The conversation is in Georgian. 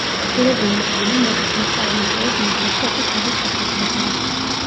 მცირე ზომის გამო მათი შესწავლა მხოლოდ მიკროსკოპით არის შესაძლებელი.